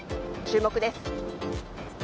注目です。